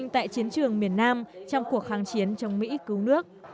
trường miền nam trong cuộc kháng chiến trong mỹ cứu nước